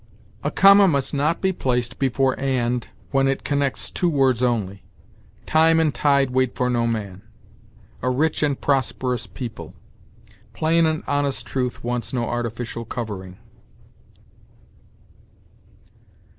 A comma must not be placed before and when it connects two words only. "Time and tide wait for no man." "A rich and prosperous people." "Plain and honest truth wants no artificial covering."